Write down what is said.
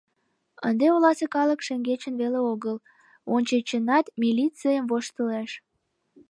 Ынде оласе калык шеҥгечын веле огыл, ончычынат милицийым воштылеш.